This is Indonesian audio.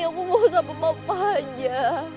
aku mau sama papa aja